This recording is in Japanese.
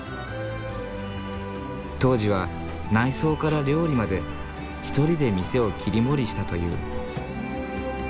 当時は内装から料理まで一人で店を切り盛りしたと言う。